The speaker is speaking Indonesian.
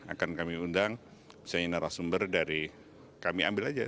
akan kami undang saya narasumber dari kami ambil aja